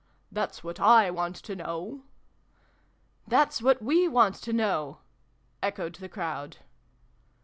That's what / want to know !"" That's what we want to know !" echoed the crowd.